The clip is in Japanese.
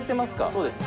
そうです。